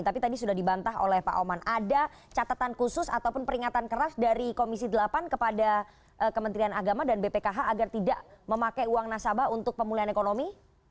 tapi tadi sudah dibantah oleh pak oman ada catatan khusus ataupun peringatan keras dari komisi delapan kepada kementerian agama dan bpkh agar tidak memakai uang nasabah untuk pemulihan ekonomi